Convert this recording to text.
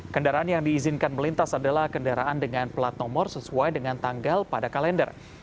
kendaraan yang diizinkan melintas adalah kendaraan dengan plat nomor sesuai dengan tanggal pada kalender